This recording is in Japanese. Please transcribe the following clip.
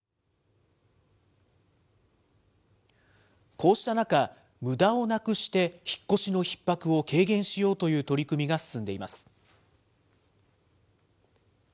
こうした中、むだをなくして引っ越しのひっ迫を軽減しようという取り組みが進んでいます。